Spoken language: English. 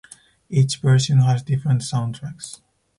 Each version has different soundtracks.